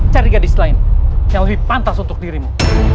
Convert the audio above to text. cari gadis lain yang lebih pantas untuk dirimu